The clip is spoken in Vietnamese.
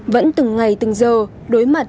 vẫn từng ngày từng giờ đối mặt